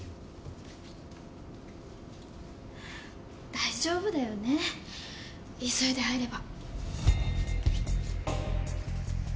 大丈夫だよね急いで入れば。